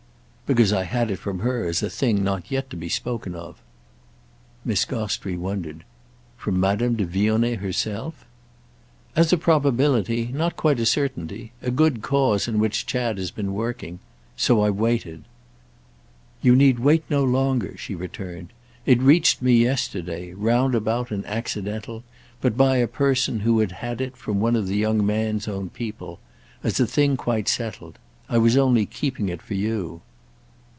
"Because I had it from her as a thing not yet to be spoken of." Miss Gostrey wondered. "From Madame de Vionnet herself?" "As a probability—not quite a certainty: a good cause in which Chad has been working. So I've waited." "You need wait no longer," she returned. "It reached me yesterday—roundabout and accidental, but by a person who had had it from one of the young man's own people—as a thing quite settled. I was only keeping it for you."